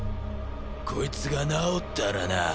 こいつが治ったらな。